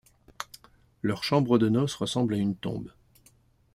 Leur chambre de noce ressemble à une tombe.